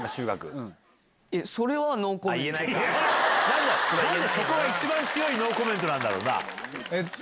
何でそこが一番強いノーコメントなんだろうな？